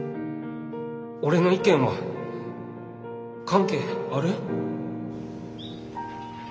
俺の意見は関係ある？